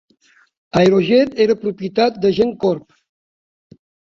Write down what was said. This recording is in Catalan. Aerojet era propietat de Gen Corp.